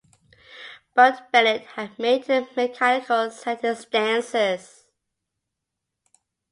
But Bennett had made the mechanical set his dancers.